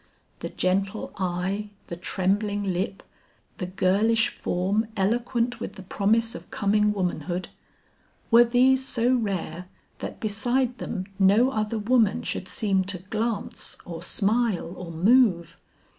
The gentle eye, the trembling lip, the girlish form eloquent with the promise of coming womanhood, were these so rare, that beside them no other woman should seem to glance or smile or move?